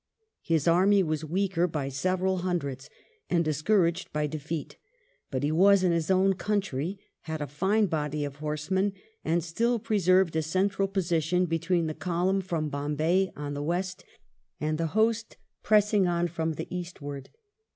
His army was weaker by several hundreds and discouraged by defeat, but he was in his own country, had a fine body of horsemen, and still preserved a central position between the column from Bombay on the west and the host pressing on from the eastward.